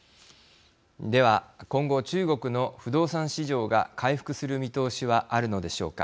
では、今後中国の不動産市場が回復する見通しはあるのでしょうか。